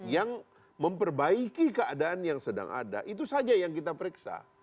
yang memperbaiki keadaan yang sedang ada itu saja yang kita periksa